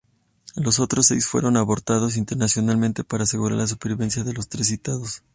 Los otros seis fueron abortados intencionalmente para asegurar la supervivencia de los tres citados.